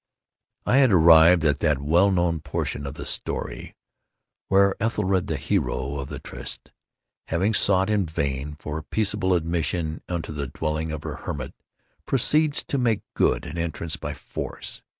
I had arrived at that well known portion of the story where Ethelred, the hero of the Trist, having sought in vain for peaceable admission into the dwelling of the hermit, proceeds to make good an entrance by force.